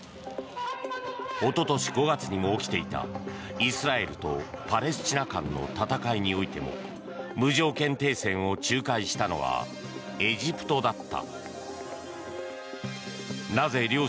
おととし５月にも起きていたイスラエルとパレスチナ間の戦いにおいても無条件停戦を仲介したのはエジプトだった。